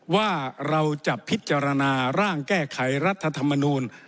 ว่าเราจะพิจารณาร่างแก้ไขรัฐธรรมนูล